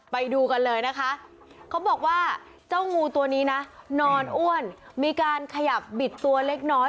ไปดูกันเลยนะคะเขาบอกว่าเจ้างูตัวนี้นะนอนอ้วนมีการขยับบิดตัวเล็กน้อย